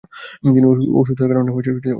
তিনি অসুস্থতার কারণে মারা গেছেন।